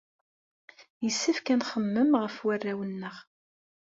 Yessefk ad nxemmem ɣef warraw-nneɣ.